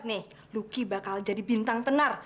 nih luki bakal jadi bintang tenar